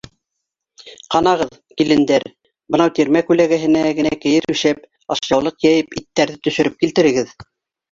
— Ҡанағыҙ, килендәр, бынау тирмә күләгәһенә генә кейеҙ түшәп, ашъяулыҡ йәйеп, иттәрҙе төшөрөп килтерегеҙ.